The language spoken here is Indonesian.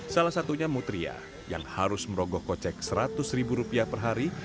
salah satunya mutria yang harus merogoh kocek seratus ribu rupiah per hari